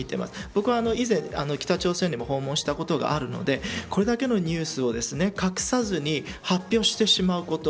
僕は以前、北朝鮮にも訪問したことがあるのでこれだけのニュースを隠さずに発表してしまうこと。